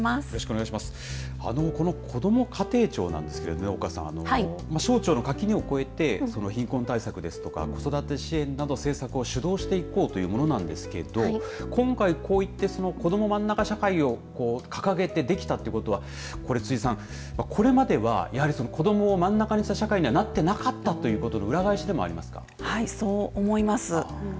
この、こども家庭庁なんですが省庁の垣根を超えてその貧困対策ですとか子育て支援など政策を指導していこうというものですが今回、こういったこどもまんなか社会を掲げてできたということはこれまではやはりこどもをまんなかにした社会になっていなかったということの裏返しでもありますか。